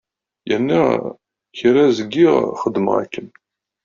Yerna kra zgiɣ xeddmeɣ akken.